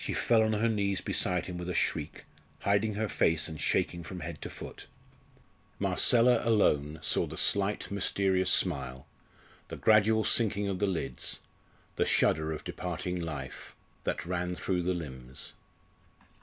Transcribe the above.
She fell on her knees beside him with a shriek, hiding her face, and shaking from head to foot. Marcella alone saw the slight, mysterious smile, the gradual sinking of the lids, the shudder of departing life that ran through the limbs.